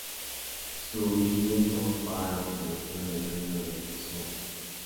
Su bisnieto Fa lo convirtió en el Reino de Zhou.